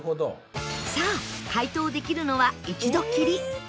さあ解答できるのは一度きり